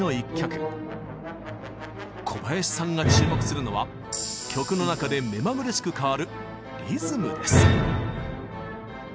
小林さんが注目するのは曲の中で目まぐるしく変わるリズムです。